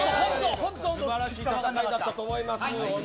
素晴らしい戦いだったと思います。